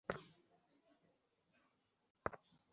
এতে মানবসম্পদ কর্মকর্তাদের সামনে চাকরি ডটকমের নানা দিক তুলে ধরা হয়।